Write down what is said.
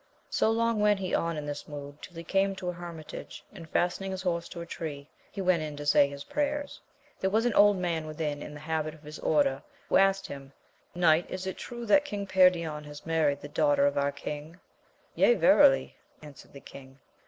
So long went he on in this mood till he came to a hermitage, and fastening his horse to a tree, he went in to say his prayers. There was an old man within in the habit of his order, who asked him, Knight is it true that Bang Perion has married the daughter of our king 1 yea verily, answered the king.